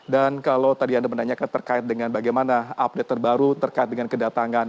dan kalau tadi anda menanyakan terkait dengan bagaimana update terbaru terkait dengan kedatangan